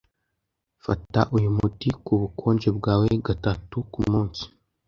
Fata uyu muti kubukonje bwawe gatatu kumunsi.